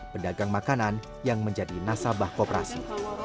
pedagang makanan yang menjadi nasabah kooperasi